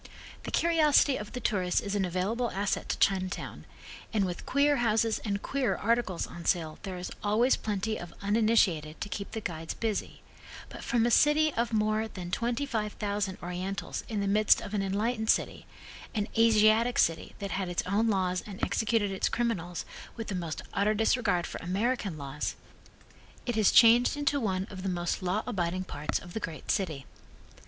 The curiosity of the tourist is an available asset to Chinatown, and with queer houses and queerer articles on sale there is always plenty of uninitiated to keep the guides busy, but from a city of more than twenty five thousand Orientals in the midst of an enlightened city an Asiatic city that had its own laws and executed its criminals with the most utter disregard for American laws, it has changed into one of the most law abiding parts of the great city.